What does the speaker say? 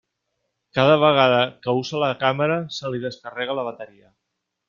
Cada vegada que usa la càmera se li descarrega la bateria.